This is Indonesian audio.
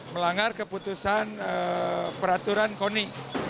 melanggar keputusan peraturan koni